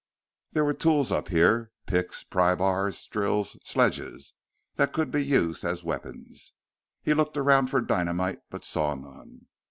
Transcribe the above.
There were tools up here picks, pry bars, drills, sledges that could be used as weapons. He looked around for dynamite but saw none.